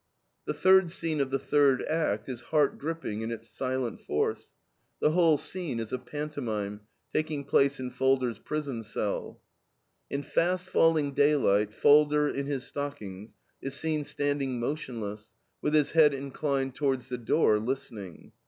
The third scene of the third act is heart gripping in its silent force. The whole scene is a pantomime, taking place in Falder's prison cell. "In fast falling daylight, Falder, in his stockings, is seen standing motionless, with his head inclined towards the door, listening.